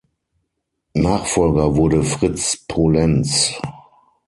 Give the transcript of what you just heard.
Nachfolger wurde Fritz Polenz.